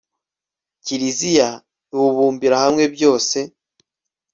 kiliziya, uwubumbira hamwe, byose